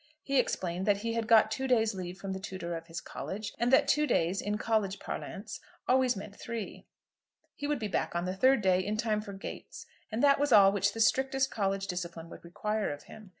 He explained that he had got two days' leave from the tutor of his College, and that two days, in College parlance, always meant three. He would be back on the third day, in time for "gates"; and that was all which the strictest college discipline would require of him.